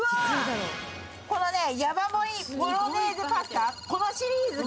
このねヤバ盛りボロネーゼパスタ。